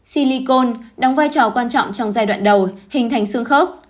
silicon đóng vai trò quan trọng trong giai đoạn đầu hình thành xương khớp